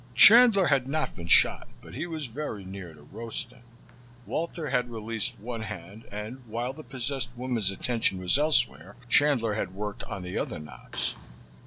Chandler had not been shot, but he was very near to roasting. Walter had released one hand and, while the possessed woman's attention was elsewhere, Chandler had worked on the other knots.